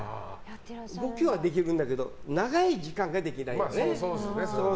動きはできるんだけど長い時間ができないよね。